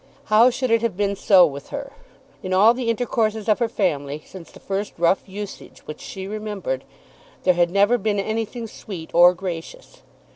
How should it have been so with her? In all the intercourses of her family, since the first rough usage which she remembered, there had never been anything sweet or gracious.